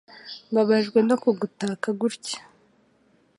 Mbabajwe no kugutaka gutya.